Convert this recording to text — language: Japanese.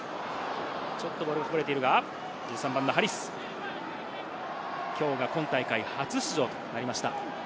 ちょっとボールがこぼれているが、１３番のハリス、きょうが今大会初出場となりました。